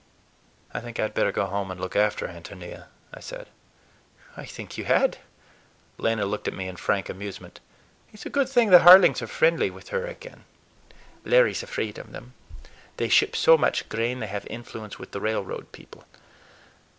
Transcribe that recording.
"I think I'd better go home and look after Ántonia," I said. "I think you had." Lena looked up at me in frank amusement. "It's a good thing the Harlings are friendly with her again. Larry's afraid of them. They ship so much grain, they have influence with the railroad people.